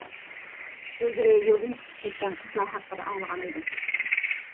ئىلگىرى يولدىن چىقىپ كەتكەن قىزلار ھەققىدە ئاڭلىغانىدىم.